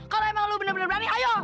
kalau emang lo bener bener berani ayo